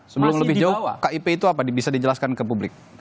sebelum lebih jauh kip itu apa bisa dijelaskan ke publik